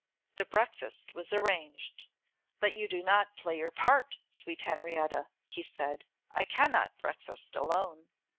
The breakfast was arranged. 'But you do not play your part, sweet Henrietta,' he said; 'I cannot breakfast alone.